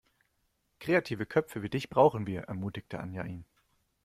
Kreative Köpfe wie dich brauchen wir, ermutigte Anja ihn.